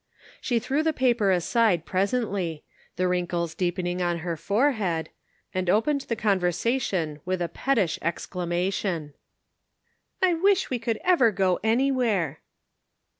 She threw the paper aside presently, the wrinkles deep ening on her forehead, and opened the con versation with a pettish exclamation :" I wish we could ever go anywhere